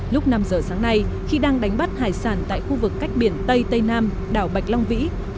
lúc năm giờ sáng nay khi đang đánh bắt hải sản tại khu vực cách biển tây tây nam đảo bạch long vĩ